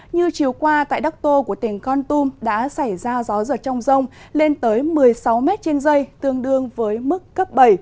như chiều qua tại đắc tô của tỉnh con tum đã xảy ra gió giật trong rông lên tới một mươi sáu m trên dây tương đương với mức cấp bảy